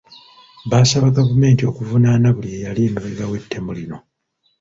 Baasaba gavumenti okuvunaana buli eyali emabega w’ettemu lino.